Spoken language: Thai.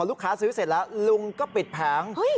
พอลูกค้าซื้อเสร็จแล้วลุงก็ปิดแผง